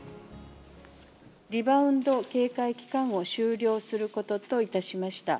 リバウンド警戒期間を終了することといたしました。